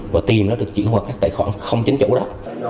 và tiền đó được chuyển qua các tài khoản không chánh chủ đó